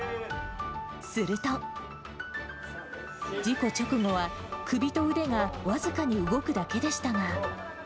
すると、事故直後は首と腕が僅かに動くだけでしたが。